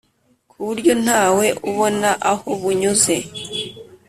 ku buryo nta we ubona aho bunyuze